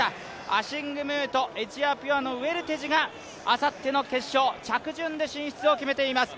アシング・ムーとエチオピアのウェルテジがあさっての決勝、着順で進出を決めています。